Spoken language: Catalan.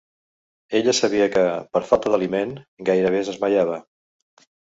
Ella sabia que, per falta d'aliment, gairebé es desmaiava.